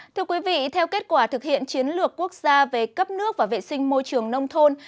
thưa quý vị theo kết quả thực hiện chiến lược quốc gia về cấp nước và vệ sinh môi trường nông thôn